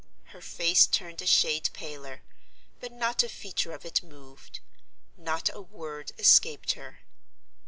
Her face turned a shade paler—but not a feature of it moved; not a word escaped her.